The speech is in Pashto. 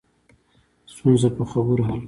ستونزه په خبرو حل کړه